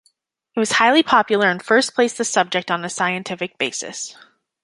It was highly popular and first placed the subject on a scientific basis.